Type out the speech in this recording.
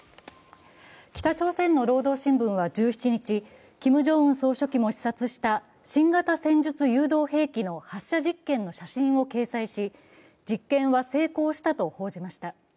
北朝鮮の「労働新聞」は１７日、キム・ジョンウン総書記も視察した新型戦術誘導兵器の発射実験の写真を掲載し実験は成功したと報じました。